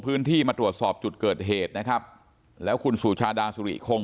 มาตรวจสอบจุดเกิดเหตุนะครับแล้วคุณสุชาดาสุริคง